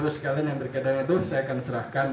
saya akan serahkan